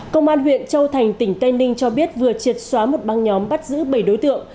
công an huyện châu thành tỉnh tây ninh cho biết vừa triệt xóa một băng nhóm bắt giữ bảy đối tượng